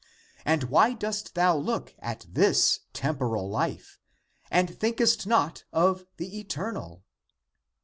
And why dost thou look at this temporal life, and thinkest not of the eternal